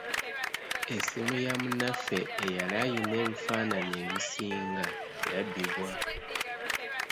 Essimu ya munnaffe eyali alina ebifaananyi ebisinga yabbibwa.